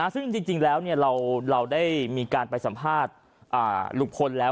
ซึ่งจริงแล้วเราได้มีการไปสัมภาษณ์ลุงพลแล้ว